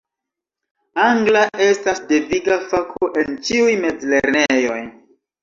Angla estas deviga fako en ĉiuj mezlernejoj.